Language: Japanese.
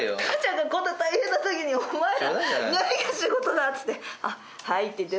母ちゃんがこんな大変なときに、お前、何が仕事だっていって。